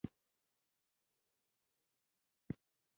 له دې جوړښتونو څخه کلتورونه وزېږېدل.